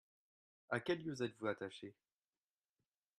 À quel lieu êtes-vous attaché ?